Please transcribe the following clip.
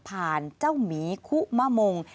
ผ่านเจ้ามีฮุมาโมง